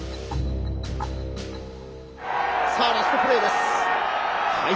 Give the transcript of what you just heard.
さあ、ラストプレーです。